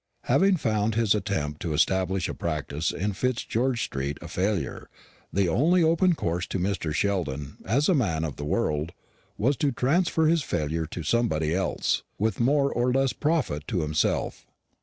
Having found his attempt to establish a practice in Fitzgeorge street a failure, the only course open to Mr. Sheldon, as a man of the world, was to transfer his failure to somebody else, with more or less profit to himself.